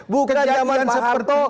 bukan zaman pak harto